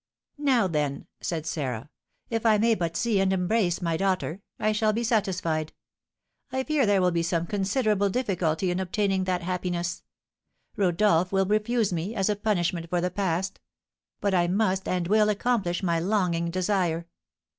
"Now, then," said Sarah, "if I may but see and embrace my daughter, I shall be satisfied. I fear there will be considerable difficulty in obtaining that happiness; Rodolph will refuse me, as a punishment for the past. But I must and will accomplish my longing desire!